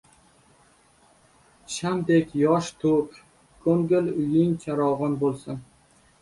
• Shamdek yosh to‘k, ko‘ngil uying charog‘on bo‘lsin.